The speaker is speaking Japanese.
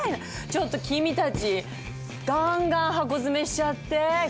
ちょっと君たちガンガン箱詰めしちゃって。